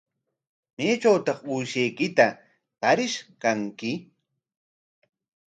¿Maytrawtaq uushaykitaqa tarish kanki?